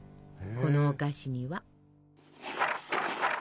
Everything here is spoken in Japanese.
このお菓子には。